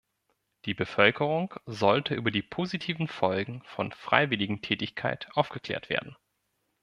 Die Bevölkerung sollte über die positiven Folgen von Freiwilligentätigkeit aufgeklärt werden.